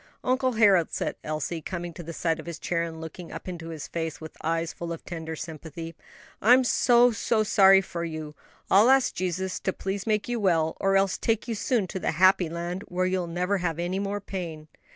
"Uncle Harold," said Elsie, coming to the side of his chair and looking up into his face with eyes full of tender sympathy, "I'm so, so sorry for you. I'll ask Jesus to please make you well, or else take you soon to the happy land where you'll never have any more pain."